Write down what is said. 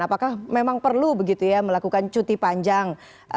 apakah memang perlu begitu ya melakukan cuti panjang